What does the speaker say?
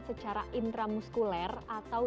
secara intramuskuler atau